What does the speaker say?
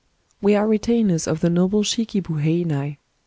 We are retainers of the noble Shikibu Heinai.